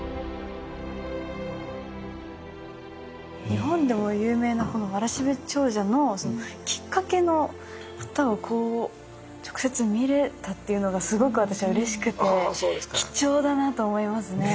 日本でも有名な「わらしべ長者」のきっかけの方をこう直接見れたっていうのがすごく私はうれしくて貴重だなと思いますね。